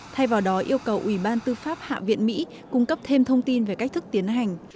thay vào đó yêu cầu ủy ban tư pháp hạ viện mỹ cung cấp thêm thông tin về cách thức tiến hành